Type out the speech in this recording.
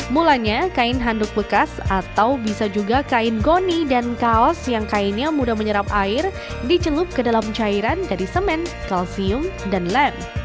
mulanya kain handuk bekas atau bisa juga kain goni dan kaos yang kainnya mudah menyerap air dicelup ke dalam cairan dari semen kalsium dan lem